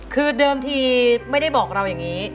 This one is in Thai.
คือเดิมทีไม่ได้บอกเราอย่างนี้